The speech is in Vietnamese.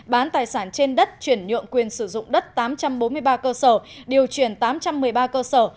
bán tài sản trên đất chuyển nhượng quyền sử dụng đất tám trăm bốn mươi ba cơ sở điều chuyển tám trăm một mươi ba cơ sở